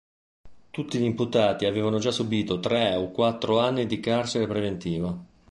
Tutti gli imputati avevano già subito tre o quattro anni di carcere preventivo.